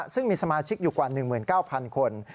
ซึ่งมีสมาชิกอยู่กว่า๑๙๐๐คน